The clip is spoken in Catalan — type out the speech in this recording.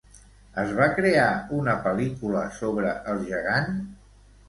Es va crear una pel·lícula sobre el gegant?